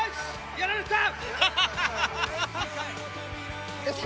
やられた！